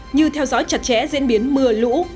như theo dõi chặt chẽ diễn biến mưa lũ